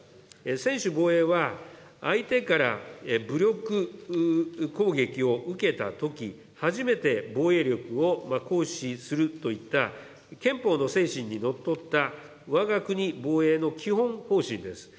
専守防衛は、相手から武力攻撃を受けたとき、初めて防衛力を行使するといった、憲法の精神にのっとった、わが国防衛の基本方針です。